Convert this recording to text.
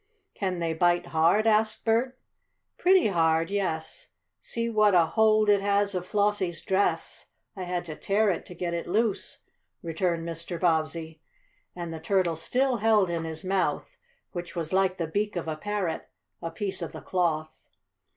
"Can they bite hard?" asked Bert. "Pretty hard, yes. See what a hold it has of Flossie's dress. I had to tear it to get it loose," returned Mr. Bobbsey. And the turtle still held in his mouth, which was like the beak of a parrot, a piece of the cloth.